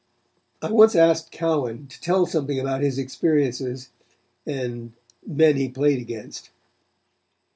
I once asked Cowan to tell something about his experiences and men he played against.